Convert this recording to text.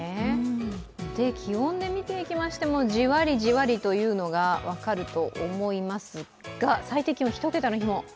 気温で見ていましてもじわりじわりというのが分かると思いますが最低気温１桁の日も。